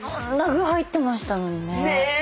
ねえ！